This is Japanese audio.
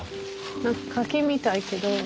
何か柿みたいけど。